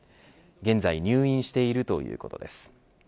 現在入院しているということです。